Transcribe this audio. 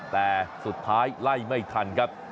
แต่สุดท้ายไล่ไม่ทันครับ